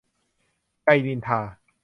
ไย นินทา.